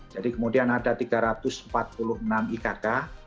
jadi kemudian ada tiga ratus empat puluh enam ikk